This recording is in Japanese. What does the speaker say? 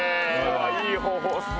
いい方法っすな。